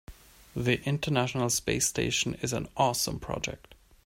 The international space station is an awesome project.